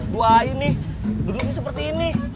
dua ini duduknya seperti ini